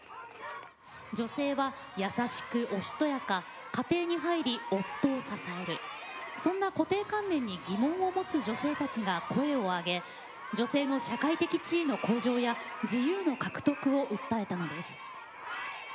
女性は優しくおしとやか家庭に入り夫を支えるそんな固定観念に疑問を持つ女性たちが声を上げ女性の社会的地位の向上や自由の獲得を訴えたのです。